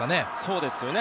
そうですよね。